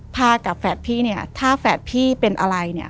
พากับแฝดพี่ถ้าแฝดพี่เป็นอะไร